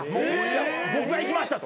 僕が行きましたと。